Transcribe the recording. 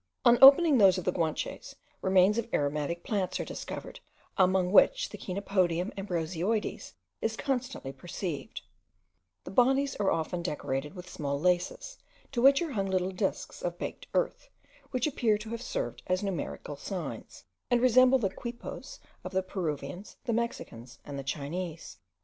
On opening those of the Guanches, remains of aromatic plants are discovered, among which the Chenopodium ambrosioides is constantly perceived: the bodies are often decorated with small laces, to which are hung little discs of baked earth, which appear to have served as numerical signs, and resemble the quippoes of the Peruvians, the Mexicans, and the Chinese.